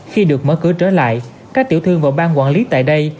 khi được mở cửa trở lại các tiểu thương và bang quản lý tại đây